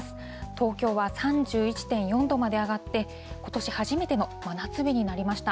東京は３１．４度まで上がって、ことし初めての真夏日になりました。